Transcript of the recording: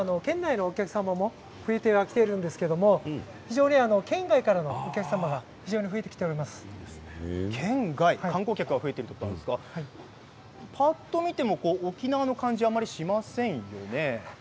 県内のお客様も増えてはきているんですけど非常に県外からのお客様が県外、観光客が増えているということなんですがぱっと見ても沖縄の感じはあまりしませんよね。